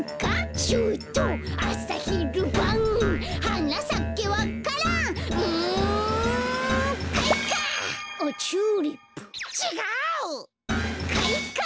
ちっがう！